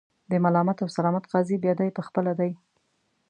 د ملامت او سلامت قاضي بیا دای په خپله دی.